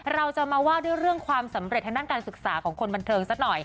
เราจะมาว่าด้วยเรื่องความสำเร็จทางด้านการศึกษาของคนบันเทิงสักหน่อย